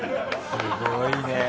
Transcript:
すごいね。